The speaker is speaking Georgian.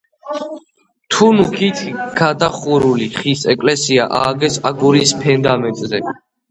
თუნუქით გადახურული ხის ეკლესია ააგეს აგურის ფუნდამენტზე.